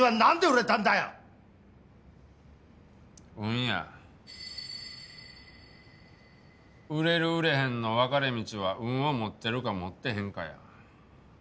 売れる売れへんの分かれ道は運を持ってるか持ってへんかや。